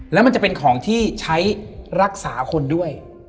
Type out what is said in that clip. แล้วมันจะเป็นของที่ใช้รักษาคนด้วย